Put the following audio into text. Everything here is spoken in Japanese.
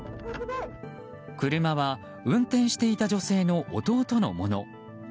車は運転していた女性の弟のもの。